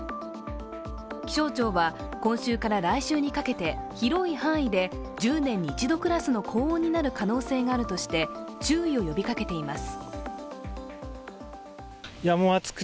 気象庁は、今週から来週にかけて広い範囲で１０年に一度クラスの高温になる可能性があるとして注意を呼びかけています。